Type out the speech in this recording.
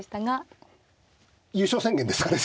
優勝宣言ですかね